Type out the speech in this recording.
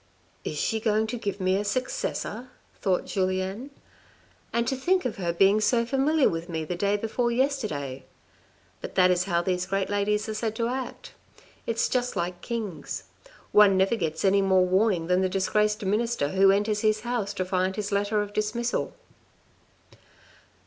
" Is she going to give me a successor," thought Julien. " And to think of her being so familiar with me the day before yesterday, but that is how these great ladies are said to act. It's just like kings. One never gets any more warning than the disgraced minister who enters his house to find his letter of dismissal."